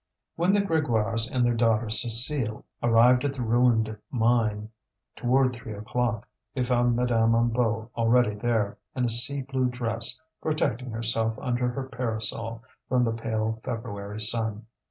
When the Grégoires and their daughter Cécile arrived at the ruined mine, toward three o'clock, they found Madame Hennebeau already there, in a sea blue dress, protecting herself under her parasol from the pale February sun.